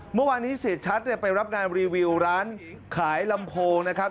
เมื่อวานี้เสียชัดไปรับงานรีวิวร้านขายลำโพง